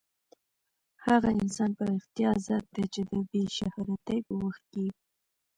هغه انسان په رښتیا ازاد دی چې د بې شهرتۍ په وخت کې.